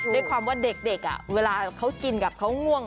ด้วยความว่าเด็กเวลาเขากินกับเขาง่วง